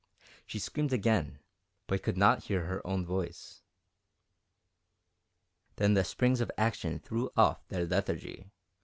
She screamed again, but could not hear her own voice. Then the springs of action threw off their lethargy.